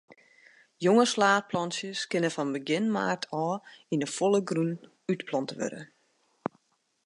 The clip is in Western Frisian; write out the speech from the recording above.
Jonge slaadplantsjes kinne fan begjin maart ôf yn 'e folle grûn útplante wurde.